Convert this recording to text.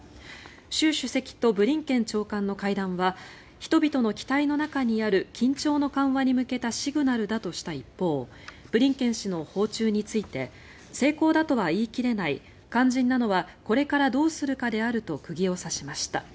習主席とブリンケン長官の会談は人々の期待の中にある緊張の緩和に向けたシグナルだとした一方ブリンケン氏の訪中について成功だとは言い切れない肝心なのはこれからどうするかであると釘を刺しました。